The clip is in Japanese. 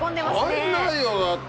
入んないよだって。